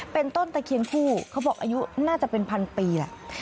เป็นต้นตะเคียนคู่เขาบอกอายุน่าจะเป็นพันปีแหละ